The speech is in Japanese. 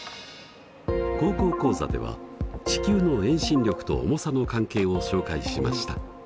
「高校講座」では地球の遠心力と重さの関係を紹介しました。